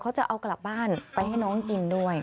เขาจะเอากลับบ้านไปให้น้องกินด้วย